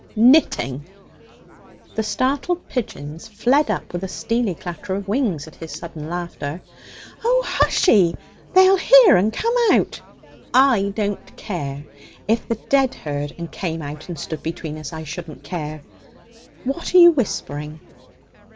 Fff! knitting!' The startled pigeons fled up with a steely clatter of wings at his sudden laughter. 'Oh! hushee! They'll hear and come out.' 'I don't care. If the dead heard and came out and stood between us, I shouldn't care! What are you whispering?'